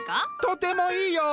とてもいいよ！